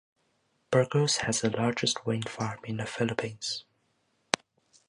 Burgos has the largest wind farm in the Philippines.